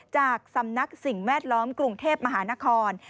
จากสำนักสิ่งแวดล้อมกรุงเทพมหานคร